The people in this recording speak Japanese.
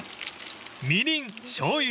［みりんしょうゆ